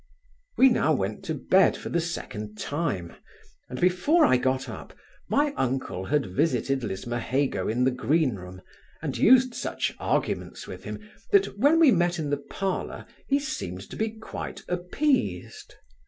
We now went to bed for the second time; and before I got up, my uncle had visited Lismahago in the green room, and used such arguments with him, that when we met in the parlour he seemed to be quite appeased.